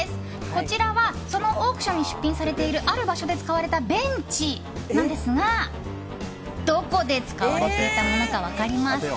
こちらはそのオークションに出品されているある場所で使われたベンチなんですがどこで使われていたものか分かりますか？